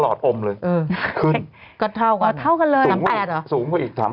ก็เท่ากันสูงกว่าอีก๓๘กว่า